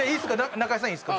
中居さんいいっすか？